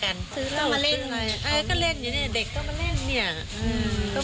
มาเล่นเออก็เล่นอยู่เนี้ยเด็กก็มาเล่นเนี้ยอืม